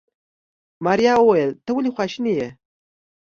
ماريا وويل ته ولې خواشيني يې.